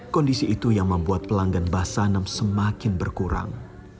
kondisi itu yang membuat pelanggan basanem semakin berkurang